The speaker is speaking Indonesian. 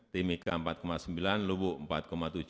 timiga empat sembilan persen lubuk empat tujuh persen